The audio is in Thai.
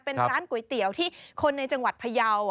เป็นร้านก๋วยเตี๋ยวที่คนในจังหวัดพยาว